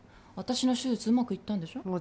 私の手術うまくいったんでしょ？